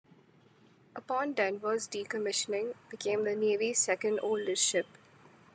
Upon "Denver's" decommissioning, became the Navy's second oldest ship.